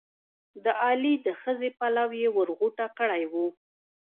د علي د ښځې پلو یې ور غوټه کړی وو.